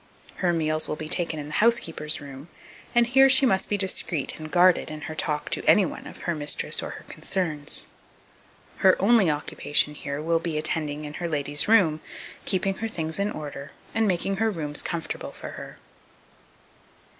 Her meals will be taken in the housekeeper's room; and here she must be discreet and guarded in her talk to any one of her mistress or her concerns. Her only occupation here will be attending in her lady's room, keeping her things in order, and making her rooms comfortable for her.